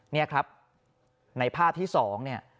นี่ครับในภาพที่๒เนี่ย